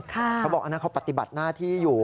เขาบอกอันนั้นเขาปฏิบัติหน้าที่อยู่